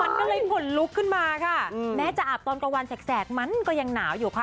มันก็เลยขนลุกขึ้นมาค่ะแม้จะอาบตอนกลางวันแสกมันก็ยังหนาวอยู่ค่ะ